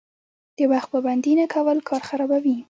د وخت پابندي نه کول کار خرابوي.